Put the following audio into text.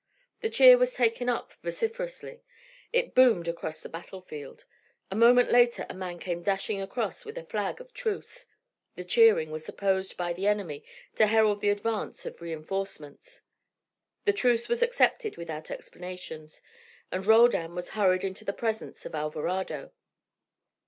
The cheer was taken up vociferously. It boomed across the battlefield. A moment later a man came dashing across with a flag of truce: the cheering was supposed by the enemy to herald the advance of reinforcements. The truce was accepted without explanations, and Roldan was hurried into the presence of Alvarado.